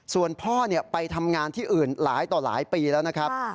ส่วนพ่อไปทำงานที่อื่นหลายต่อหลายปีแล้วนะครับ